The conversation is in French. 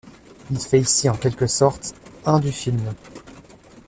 Il fait ici, en quelque sorte, un du film.